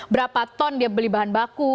berapa ton dia beli bahan baku